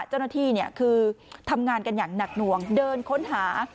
เจ้าหน้าที่คือทำงานกันอย่างหนักหน่วงเดินค้นหา